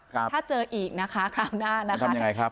ถ้าเจออีกนะคะคราวหน้านะคะทำยังไงครับ